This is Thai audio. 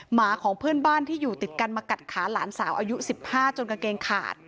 หมาของเพื่อนบ้านที่อยู่ติดกันมากัดขาหลานสาวอายุ๑๕จนกางเกงขาด